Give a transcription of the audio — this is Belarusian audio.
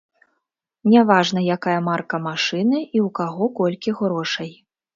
Няважна, якая марка машыны і ў каго колькі грошай.